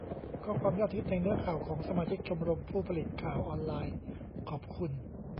ข้อความยอดฮิตในเนื้อข่าวของสมาชิกชมรมผู้ผลิตข่าวออนไลน์ :'ขอบคุณ